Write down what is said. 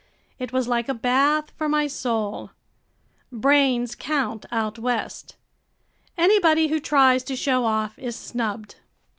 It was like a bath for my soul. Brains count out West. Anybody who tries to show off is snubbed.